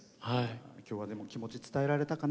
今日は、気持ち伝えられたかな？